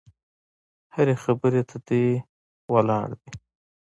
هرې خبرې ته دې ولاړ دي.